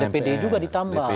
dpd juga ditambah